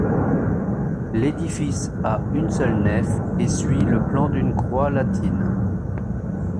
L’édifice a une seule nef et suit le plan d’une croix latine.